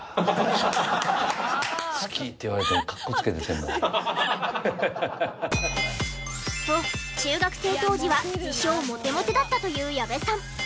ハハハハハ！と中学生当時は自称モテモテだったという矢部さん。